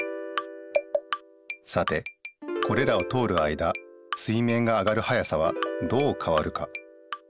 さてこれらを通るあいだ水面が上がる速さはどう変わるか？